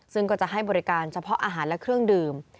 ซึ่งก็จะให้บริการเฉพาะอาหารและเครื่องดื่ม